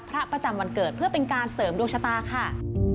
ประจำวันเกิดเพื่อเป็นการเสริมดวงชะตาค่ะ